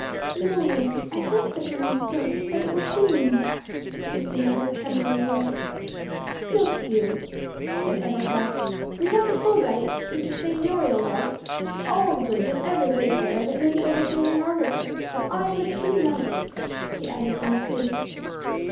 "No, lady, I thank the barons both, but it were sin in me," said Christina, with trembling voice. "Look you," said Eberhard; "we have the full right—'tis a seignorial right—to all the goods of every wayfarer that may be overthrown in our river—as I am a true knight!" he added earnestly.